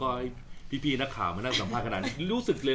ก็อย่างที่บอกนะครับมันไม่ใช่ละครไม่ใช่สายที่เราถนัดนะครับ